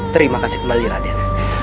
terima kasih kembali raden